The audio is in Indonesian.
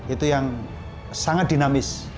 itu yang sangat dinamis